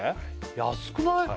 安くない？